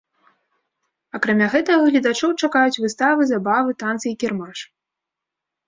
Акрамя гэтага гледачоў чакаюць выставы, забавы, танцы і кірмаш.